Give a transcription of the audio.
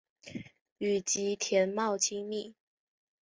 与吉田茂亲近。